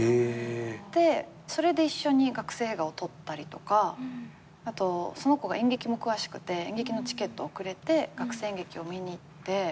でそれで一緒に学生映画を撮ったりとかあとその子が演劇も詳しくて演劇のチケットをくれて学生演劇を見に行って。